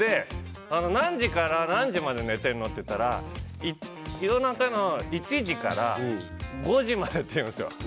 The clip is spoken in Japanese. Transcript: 何時から何時まで寝てるの？って言ったら夜中の１時から５時までって言うんですよ。